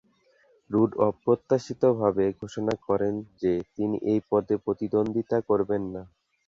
Rude অপ্রত্যাশিতভাবে ঘোষণা করেন যে তিনি এই পদে প্রতিদ্বন্দ্বিতা করবেন না।